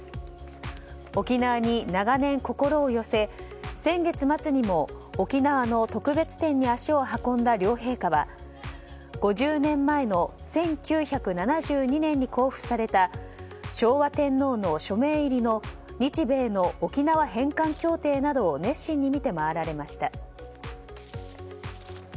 沖縄に長年、心を寄せ先月末にも沖縄の特別展に足を運んだ両陛下は５０年前の１９７２年に公布された昭和天皇の署名入りの日米の沖縄返還協定などを熱心に見て回られました。